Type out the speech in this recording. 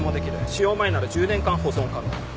使用前なら１０年間保存可能。